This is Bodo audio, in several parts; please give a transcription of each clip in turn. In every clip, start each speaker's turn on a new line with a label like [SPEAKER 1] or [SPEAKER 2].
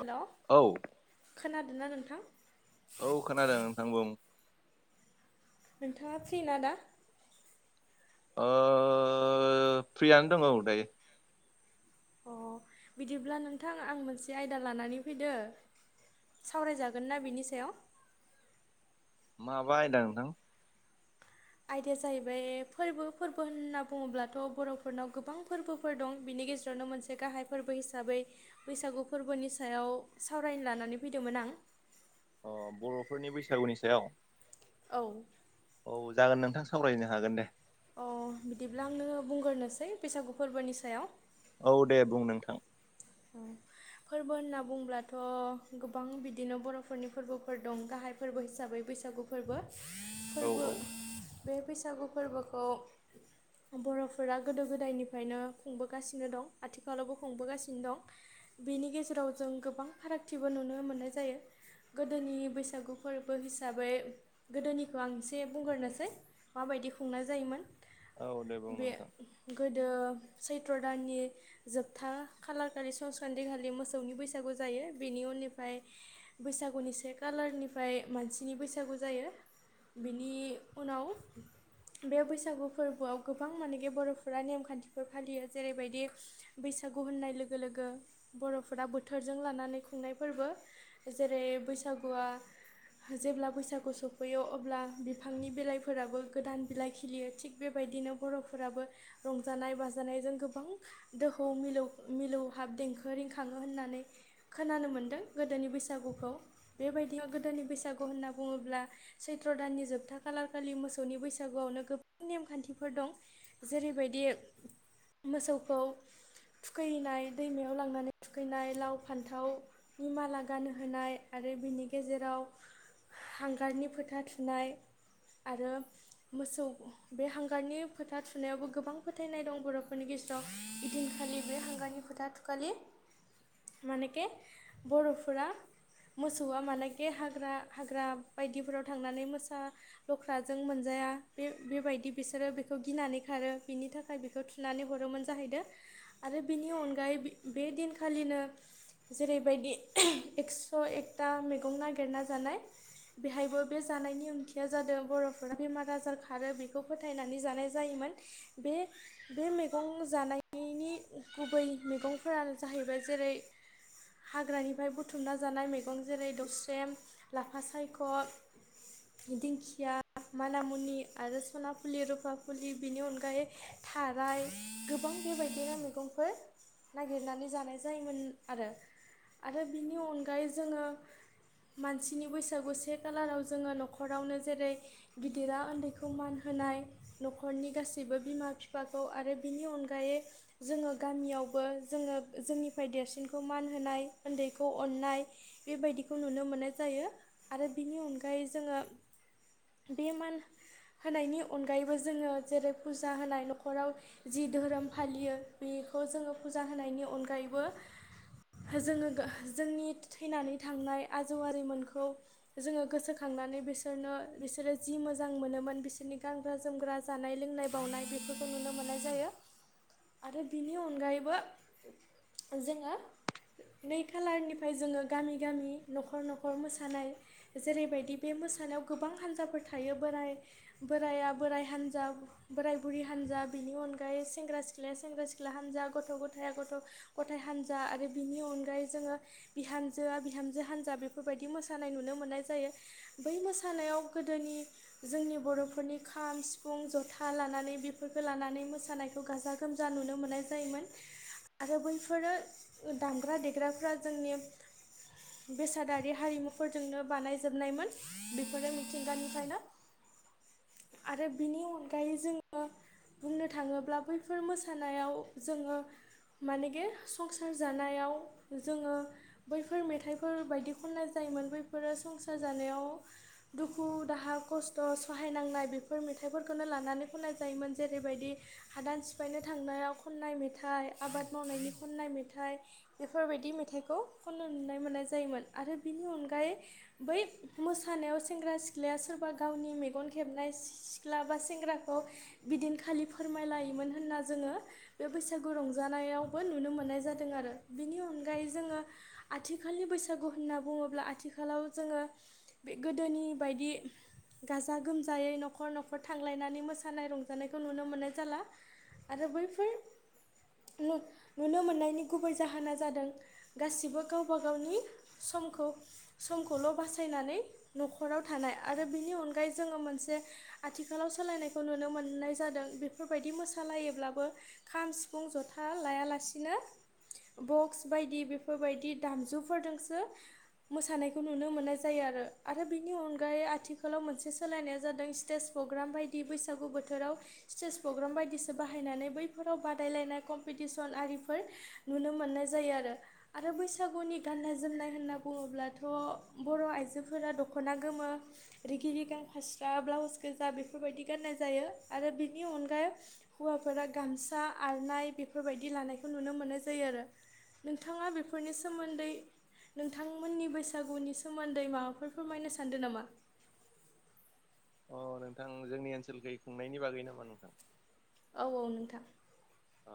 [SPEAKER 1] हेल'
[SPEAKER 2] औ
[SPEAKER 1] खोनादोंना नोंथां
[SPEAKER 2] औ खोनादों नोंथां बुं
[SPEAKER 1] नोंथाङा फ्रिना दा
[SPEAKER 2] फ्रियानो दङ दायो
[SPEAKER 1] अ बिदिब्ला नोंथां आं मोनसे आयदा लानानै फैदो सावरायजागोन ना बिनि सायाव
[SPEAKER 2] माबा आयदा नोंथां
[SPEAKER 1] आयदाया जाहैबाय फोरबो फोरबो होनना बुङोब्लाथ' बर'फोरनाव गोबां फोरबोफोर दं बिनि नि गेजेरावनो मोनसे गाहाय फोरबो हिसाबै बैसागु फोरबोनि सायाव सावरायनो लानानै फैदोंमोन आं आं
[SPEAKER 2] अ बर'फोरनि बैसागुनि सायाव?
[SPEAKER 1] औ
[SPEAKER 2] औ जागोन नोंथां सावरायनो हागोन दे।
[SPEAKER 1] अ बिदिब्ला आंनो बुंग्रोनोसै बैसागु फोरबोनि सायाव।
[SPEAKER 2] औ दे बुं नोंथां।
[SPEAKER 1] औ फोरबो होनना बुंब्लाथ' गोबां बिदिनो बर'फोरनि फोरबोफोर दं गाहाय फोरबो हिसाबै बैसागु फोरबो
[SPEAKER 2] औ
[SPEAKER 1] फोरबो
[SPEAKER 2] औ
[SPEAKER 1] बे बैसागु फोरबोखौ बर'फोरा गोदो गोदायनिफ्रायनो खुंबोगासिनो दं, आथिखालावबो खुंबोगासिनो दं। बेनि गेजेराव जों गोबां फारागथिबो नुनो मोननाय जायो। गोदोनि बैसागु फोरबो हिसाबै गोदोनिखौ आं एसे बुंग्रोनोसै माबाय दि खुंनाय जायोमोन
[SPEAKER 2] औ दे बुं
[SPEAKER 1] बे
[SPEAKER 2] नोंथां
[SPEAKER 1] गो दो सैत्र' दाननि जोबथा खालार खालि संस्क्रान्थि खालि मोसौनि बैसागु जायो बेनि उननिफ्राय बैसागुनि से कालारनि फ्राय मानसिनि बैसागु जायो बेनि उनाव बे बैसागु फोरबोआव गोबां मानेखि बर'फोरा नेमखान्थिफोर फालियो जेरैबायदि बैसा सागु होननाय लोगो लोगो बर'फोरा बोथोरजों लानानै खुंनाय फोरबो जेरै बैसागुआ जेब्ला बैसागु सफैयो अब्ला बिफांनि बिलाइफोराबो गोदान बिलाइ खिलियो थिग बेबाय दिनो बर'फोराबो रंजानाय बाजानायजों गोबां दोहौ मिलौ मिलौ हाब देंखो रिंखाङो होननानै खोनानो मोन्दों गोदोनि बैसागुखौ बेबाय दि गोदोनि बैसागु होनना बुङोब्ला सैत्र' दाननि जोबथा खालारखालि मोसौनि बैसागुआवनो नेमखान्थिफोर दं जेरैबायदि मोसौखौ थुखैनाय दैमायाव लांनानै थुखैनाय लाव फान्थावनि माला गानहोनाय आरो बि नि गेजेराव हांगारनि फोथा थुनाय आरो मोसौ बे हांगारनि फोथा थुनायावबो गोबां फोथायनाय दं बर'फोरनि गे जेराव इदिनखालि बे हांग्रानि फोथा थुखालि मानेके बर'फोरा मोसौआ मानोखि हाग्रा हाग्रा बायदिफोराव थांनानै मोसा लख्राजों मोनजा बेबायदि बिसोरो बेखौ गिनानै खारो बिनि थाखाय बेखौ थुनानै हरोमोन जाहैदों। आरो बिनि अनगायै बे दिनखालिनो जेरैबायदि एक्स' एकटा मैगं नागिरना जानाय। बेहायबो बे जानायनि ओंथिया जादों बर'फोरा बेमार आजार खारो बेखौ फोथायनानै जानाय जायो। मोन बे मैगं जानायनि गुबै मैगंफोरानो जाहैबाय जेरै हाग्रानिफ्राय बुथुमना जानाय मैगं जेरै दसे लाफा सायख' दिंखिया माना मुनि आरो सना फुलि रुफाफुलि बिनि अनगायै थाराय गोबां बेबायदिनो मैगंफोर नागिरनानै जानाय जायोमोन आरो। आरो बिनि अनगायै जोङो मानसिनि बैसोगु से खालाराव जोङो न'खरावनो जेरै होनाय न'खरनि गासैबो बिमा फिफाखौ आरो बिनि अनगायै जोङो गामियावबो जोङो जोंनिफ्राय देरसिनखौ मान होनाय उन्दैखौ अननाय बेबायदिखौ नुनो मोननाय जायो आरो बेनि अनगायै जोङो बे मान होनायनि अनगायैबो जोङो जेरै फुजा होनाय न'खराव जि धोरोम फालियो बेखौ जोङो फुजा होनायनि अनगायैबो जोङो जोंनि थैनानै थांनाय आजौआरिमोनखौ जोङो गोसोखां नोनै बिसोरनो बिसोरो जि मोजां मोनोमोन बिसोरनि गानग्रा जोमग्रा जानाय लोंनाय बावनाय बेफोर नुनो मोननाय जायो आरो बिनि अनगायैबो जोङो नै खालारनिफ्राय जोङो गामि गामि न'खर न'खर मोसानाय जेरैबायदि बे मोसानायाव गोबां हान्जाफोर थायो बोराइ बोराइ बोराइ हानजा बोराय बुरि हान्जा दा बिनि अनागायै सेंग्रा सिख्ला ख्लाया सेंग्रा सिख्ला हान्जा गथ' गथाय गथ' गथाय हानजा आरो बिनि अनगायै जोङो बिहा हानजोआ बिहामजो हानजा बेफोरबायदि मोसानाय नुनो मोननाय जायो बै मोसानायाव गोदोनि जोंनि बर'फोरनि खाम सिफुं जथा लानानै बेफोरखौ लानानै मोसानायखौ गाजा गोमजा नुनो मोननाय जायोमोन आरो बैफोरो दामग्रा देग्राफ्रा जोंनि बेसादारि हारिमुफोरजोंनो बानायजोबनायमोन बेफोरो मिथिंगानिफ्रायनो आरो बिनि अनगायै जोङो बुंनो थाङोब्ला बै बेफोर मोसानायाव जोङो मानेगे संसार जानायाव जोङो बैफोर मेथाइफोर बायदि खननाय जायोमोन बैफोरो संसार जानायाव दुखु दाहा खस्थ' सहायनांनाय बेफोर मेथाइफोरखौनो लानानै खन्नाय जायोमोन जेरैबायदि हादान सि फायनो थांनायाव खननाय मेथाइ आबाद मावनायनि खननाय मेथाइ बेफोरबायदि मेथाइखौ खनो नुनाय मोननाय जायोमोन आरो बिनि अनगायै बै मोसानायाव सेंग्रा सिख्लाया सोर सोरबा गावनि मेगन खेबनाय सिख्ला बा सेंग्राखौ बिदिनखालि फोरमायलायोमोन होनना जोङो बे बैसागु रंजानायावबो नुनो मोननाय जादों आरो बेनि अनगायै जोङो आथिखालनि बैसागु होनना बुङोब्ला आथिखालाव जोङो बे गोदोनि बायदि गाजा गोमजायै न'खर न'खर थांलायनानै मोसानाय रंजानायखौ नुनो मोननाय जाला आरो बैफोर नुनो मोननायनि गुबै जाहोना जादों गासिबो गावबा गावनि खौ समखौल' बासायनानै न'खराव थानाय आरो बिनि अनगायै जोङो मोनसे आथिखालाव सोलायनायखौ नुनो मोननाय जादों बेफोरबायदि मोसा सालायोब्लाबो खाम सिफुं जथा लायालासिनो बक्स बायदि बेफोरबायदि दामजुफोरजोंसो मोसानायखौ नुनो मोननाय जायो आरो आरो बेनि अनगायै आथिखालाव मोनसे सोलायनाया जादों स्टेज प्रग्राम बायदि बैसागु बोथोराव स्टेज प्रग्राम बायदिसिना बाहायनानै बैफोराव बादायलायनाय कम्पिटिसन आरिफोर नुनो मोननाय जायो आरो आरो बैसागुनि गाननाय जोमनाय होनना बुङोब्लाथ' बर' आइजोफोरा दख'ना गोमो रिगि रिगां फास्रा ब्लाउस गोजा बेफोरबायदि गाननाय जायो आरो बिनि अनगायै हौवाफोरा गामसा आरनाय बेफोरबायदि लानायखौ नुनो मोननाय जायो आरो नोंथाङा बेफोरनि सोमोन्दै नोंथांमोननि बैसागुनि सोमोन्दै माबाफोर फोरमायनो सानदों नामा [inaudible]
[SPEAKER 2] अ नोंथां जोंनि ओनसोलखै खुंनायनि बागै नामा नोंथां
[SPEAKER 1] औ औ नोंथां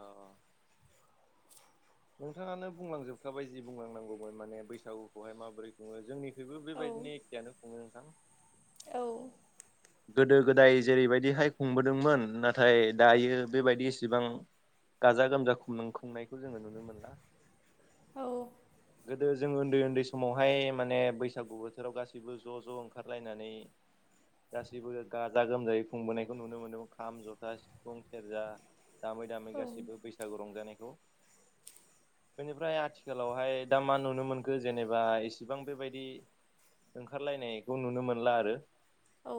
[SPEAKER 2] औ औ नोंथाङानो बुंलांजोबखाबाय जि बुंलांनांगौमोन माने बैसागुखौहाय माबोरै खुङो जोंनि बेबो
[SPEAKER 1] औ
[SPEAKER 2] बेबायदिनो एखेयानो खुङो नोंथां।
[SPEAKER 1] औ।
[SPEAKER 2] गोदो गोदाय जेरैबायदिहाय खुंबोदोंमोन नाथाय दायो बेबायदि इसिबां गाजा गोमजा खुंन- खुंनायखौ जोङो नुनो मोनला
[SPEAKER 1] औ।
[SPEAKER 2] गोदो जों उन्दै उन्दै समावहाय माने बैसागु बोथोराव गासैबो ज' ज' ओंखारलायनानै गासैबो गाजा गोमजायै खुंबोनायखौ नुनो मोनदों खाम, जथा, सिफुं, सेरजा दामै दामै
[SPEAKER 1] औ
[SPEAKER 2] गाससिबो बैसागु रंजानायखौ। बेनिफ्राय आथिखालावहाय दा मा नुनो मोनखो जेनेबा इसेबां बेबायदि ओंखारलायनायखौ नुनो मोनला आरो।
[SPEAKER 1] औ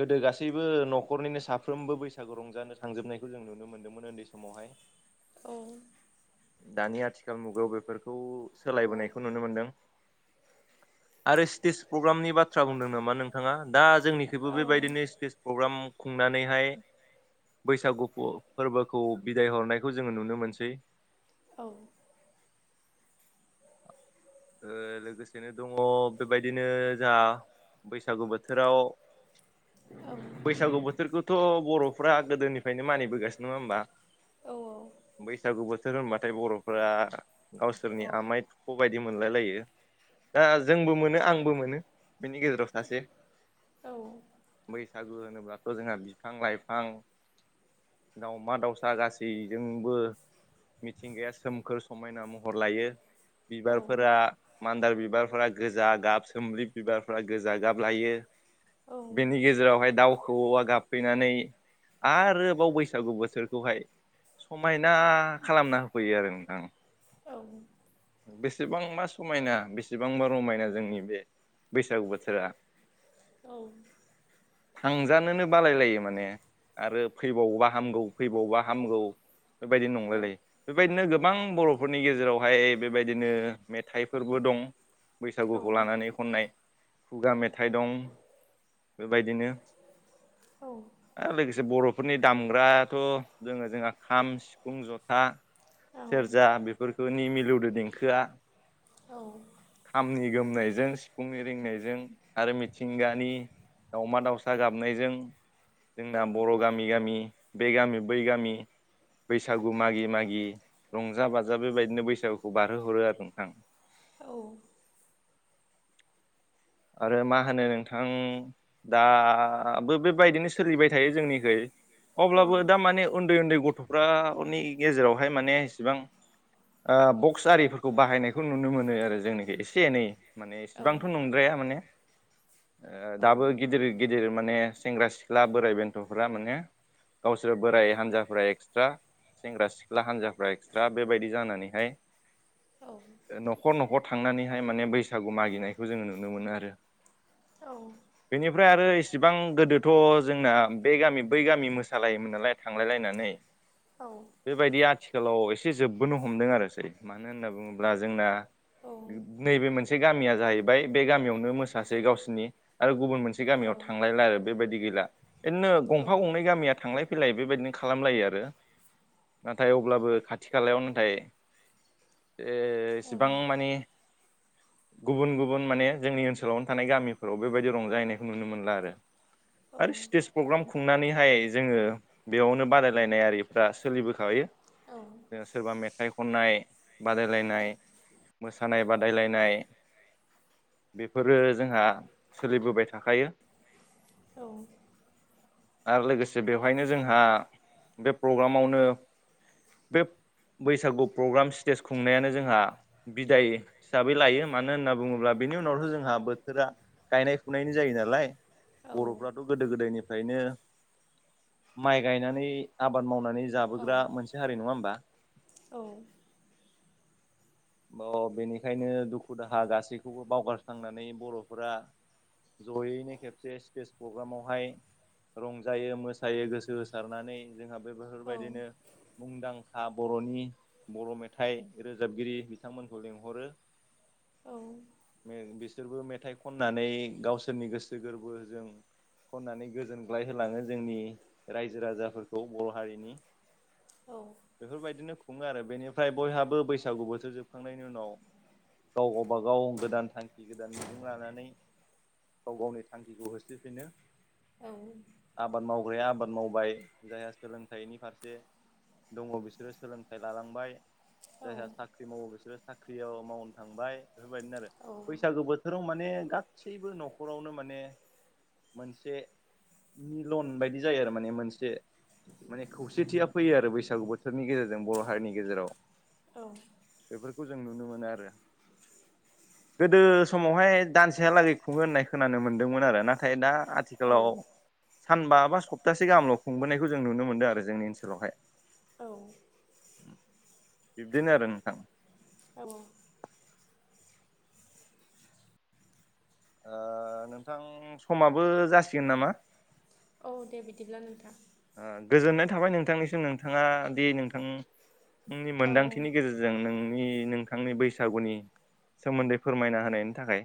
[SPEAKER 2] गोदो गास सैबो न'खरनिनो साफ्रोमबो बैसागु रंजानो थांजोबनायखौ जों नुनो मोन्दोंमोन ओन्दै समावहाय।
[SPEAKER 1] औ।
[SPEAKER 2] दानि आथिखाल मुगायाव बेफोरखौ सोलायबोनायखौ नुनो मोनदों। आरो स्टेज प्रग्रामनि बाथ्रा बुंदों नामा नोंथाङा दा जोंनिखैबो बेबायदिनो स्टेज प्रग्राम खुंनानैहाय बैसागु फ- फोर्बोखौ बिदाय हरनायखौ जोङो नुनो मोनसै।
[SPEAKER 1] औ।
[SPEAKER 2] ओ लोगोसेनो दङ बेबायदिनो जोहा बैसागु बोथोराव बैसागु बोथोरखौथ' बर'फ्रा गोदोनिफ्रायनो मानिबोगासिनो नङा होमबा?
[SPEAKER 1] औ औ
[SPEAKER 2] बैसागु बोथोर होनबाथाय बर'फोरा
[SPEAKER 1] औ
[SPEAKER 2] गावसोरनि आमाय थुख' बायद दि मोनलाय लायो। दा जोंबो मोनो आंबो मोनो बिनि गेजेराव सासे
[SPEAKER 1] औ।
[SPEAKER 2] सागु होनोब्लाथ' जोंहा बिफां लाइफां दाउमा दाउसा गासैजोंबो मिथिंगाया सोमखोर समायना महर लायो। बिबारफोरा मान्दार बिबारफोरा गोजा गाब सोम्लि बिबारफ्रा गोजा गाब लायो। बेनि गेजेरावहाय दाउ खौवौआ गाबफैनानै आरो बाव बैसागु बोथोरखौहाय समायना खालामना होफैयो आरो नोंथां।
[SPEAKER 1] औ।
[SPEAKER 2] बेसेबांबा समायना बेसेबांबा रमायना जोंनि बे बैसागु बोथोरा।
[SPEAKER 1] औ।
[SPEAKER 2] थांजानोनो बालायलायो माने आरो फैबावबा हामगौ फैबावबा हामगौ। बेबायदि नंलायलायो। बेबायदिनो गोबां बर'फोरनि गेजेरावहाय बेबायदिनो मेथाइफोरबो दं बैसागुखौ लानानै खननाय खुगा मेथाइ दं बेबायदिनो आ लोगोसे बर' फोरनि दामग्राथ' दोङो जोंहा खाम, सिफुं, जथा, सेरजा बेफोरखौनि मिलौदो देंखोआ
[SPEAKER 1] औ।
[SPEAKER 2] खामनि गोमनायजों सिफुंनि रिनायजों आरो मिथिंगानि दाउमा दाउसा गाबनायजों जोंना बर' गामि गामि बे गामि बैगामि बैसागु मागि मागि रंजा बाजा बेबायदिनो बैसागुखौ बारहोहरो आरो नोंथां।
[SPEAKER 1] औ।
[SPEAKER 2] आरो मा होनो नोंथां दा बो बेबायदिनो सोलिबाय थायो जोंनिखै। अब्लाबो दा माने उन्दै उन्दै गथ'फ्रानि गेजेरावहाय माने इसेबां ओ बक्स आरिफोरखौ बाहायनायखौ नुनो मोनो आरो जोंनिखि एसे एनै। माने
[SPEAKER 1] औ
[SPEAKER 2] इसेबांथ' नंद्राया माने ओ दाबो गिदिर गिदिर माने सेंग्रा सिख्ला बोराइ बेन्थ'फ्रा माने गावसोर बोराय हान्जाफोरा एक्सट्रा सेंग्रा सिख्ला हान्जाफ्रा एक्सट्रा बेबायदि जानानैहाय न'खर न'खर थांनानैहाय माने बैसागु मागिनायखौ जोङो नुनो मोनो आरो बेनिफ्राय आरो इसेबां गोदोथ' जोंना बे गामि बै गामि मोसालायोमोन नालाय थांलायलायनानै बेबायदि आथिखालाव से जोबबोनो हमदों आरोसै मानो होनना बुङोब्ला जोंना नैबे मोनसे गामिया जाहैबाय बे गामियावनो मोसासै गावसिनि आरो गुबुन मोनसे गामियाव थांलायला आरो बेबायदि गैला। बिदिनो गंफा गंनै गामिया थांलाय फैलाय बेबायदिनो खालामलायो आरो नाथाय अब्लाबो खाथि खालायाव नाथाय ए इसेबां मानि गुबुन गुबुन गुबुन माने जोंनि ओनसोलावनो थानाय गामिफोराव बेबायदि रंजाहैनायखौ नुनो मोनला आरो। आरो स्टेज प्रग्राम खुंनानै नाथाय जोङो बेयावनो बादायलायनाय आरिफ्रा सोलिबोखायो जों सोरबा मेथ मेथाइ खन्नाय बादायलायनाय मोसानाय बादायलायनाय बेफोरो जोंहा सोलिबोबाय थाखायो।
[SPEAKER 1] औ
[SPEAKER 2] आरो लोगोसे बेवहायनो जोंहा बे प्रग्रामावनो बे बैसागु प्रग्राम स्टेज खुंनायानो जोंहा बिदाय हिसाबै लायो मानो होनना बुङो अब्ला बिनि उनावसो जोंहा बोथोरा गायनाय फुनायनि जायो नालाय बर'फ्राथ' गोदो गोदायनिफ्राय फ्रायनो माइ गायनानै आबाद मावनानै जाबोग्रा मोनसे हारि नङा होन बा
[SPEAKER 1] औ
[SPEAKER 2] औ बेनिखायनो दुखु दाहा गासैखौ बावगारस्रांनानै बर'फोरा जयैनो खेबसे सितेज प्रग्रामावहाय रंजायो मोसायो गोसो होसारनानै जोंहा बे बेफोरबायदिनो मुंदां खा बर'नि बर' मेथाइ रोजाबगिरि बिथांमोनखौ लेंंहरो।
[SPEAKER 1] औ
[SPEAKER 2] बिसोरबो मेथाइ खननानै गावसोरनि गोसो गोरबोजों खननानै गोजोनग्लाय होलाङो जोंनि रायजो राजाफोरखौ बर' हारिनि बेफोरबायदिनो खुङो आरो बेनिफ्राय बयहाबो बैसागु बोथोर जोबखांनायनि उनाव गाव गावबागाव गोदान थांखि गोदान मिजिं लानानै गाव गावनि थांखिखौ होसोफिनो। आबाद मावग्राया आबाद मावबाय जायहा सोलोंथाइनि फारसे दङ बिसोरो सोलोंथाइ लालांबाय। जायहा साख्रि मावो बिसोरो साख्रियाव मावनो थांबाय बेफोरबायदिनो आरो। बैसागु बोथोराव माने गासैबो न'खरावनो माने मोनसे मिलन बायदि जायो आरो माने मोनसे माने खौसेथिया फैयो आरो बैसागु बोथोरनि गेजेरजों बर' हारिनि गेजेराव।
[SPEAKER 1] औ
[SPEAKER 2] खौ जों नुनो मोनो आरो। गोदो समावहाय दानसेहालागै खुङो होननाय खोनानो मोनदोंमोन आरो नाथाय दा आथिखालाव सानबा बा सप्तासे गाहामलाव खुंबोनायखौ जों नुनो मोनदों आरो जोंनि ओनसोलावहाय।
[SPEAKER 1] औ
[SPEAKER 2] बिब्दिनो आरो नोंथां।
[SPEAKER 1] औ
[SPEAKER 2] ओ नोंथां समाबो जासिगोन नामा?
[SPEAKER 1] औ दे बिदिब्ला नोंथां
[SPEAKER 2] ओ गोजोननाय थाबाय नोंथांनिसिम नोंथाङा दि नोंथां नोंनि
[SPEAKER 1] औ
[SPEAKER 2] मोनदांथिनि गेजेरजों नोंनि नोंथांनि बैसागुनि सोमोन्दै फोरमायना होनायनि थाखाय